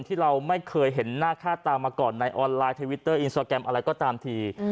ที่เราไม่เคยเห็นหน้าค่าตามาก่อนในออนไลน์ทวิตเตอร์อินสตราแกรมอะไรก็ตามที